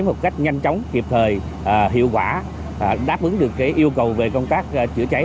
một cách nhanh chóng kịp thời hiệu quả đáp ứng được yêu cầu về công tác chữa cháy